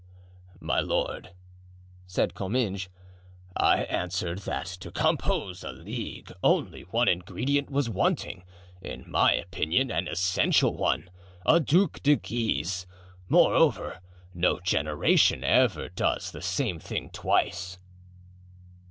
"My lord," said Comminges, "I answered that to compose a Ligue only one ingredient was wanting—in my opinion an essential one—a Duc de Guise; moreover, no generation ever does the same thing twice."